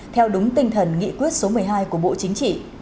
theo đúng tinh thần nghị quyết số một mươi hai của bộ chính trị